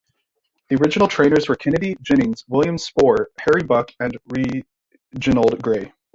The original trainers were Kennedy, Jennings, William Spoor, Harry Buck and Reginald Grey.